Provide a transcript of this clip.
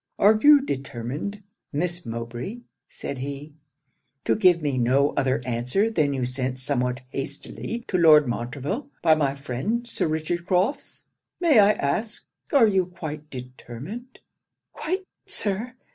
'Are you determined, Miss Mowbray,' said he, 'to give me no other answer than you sent somewhat hastily to Lord Montreville, by my friend Sir Richard Crofts? May I ask, are you quite determined?' 'Quite, Sir!'